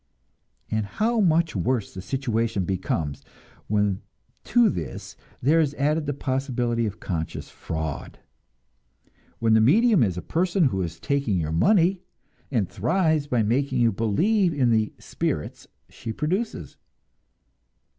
And how much worse the situation becomes when to this there is added the possibility of conscious fraud! When the medium is a person who is taking your money, and thrives by making you believe in the "spirits" she produces!